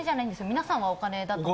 皆さんはお金だと。